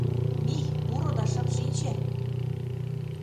Мий, пуро да шып шинче.